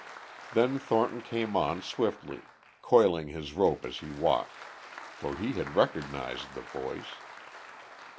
Then Thornton came on swiftly, coiling his rope as he walked. For he had recognized the voice.